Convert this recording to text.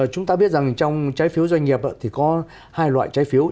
chúng ta biết rằng trong trái phiếu doanh nghiệp thì có hai loại trái phiếu